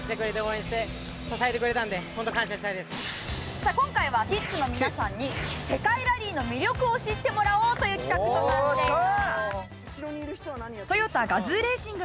さあ今回はキッズの皆さんに世界ラリーの魅力を知ってもらおうという企画となっています。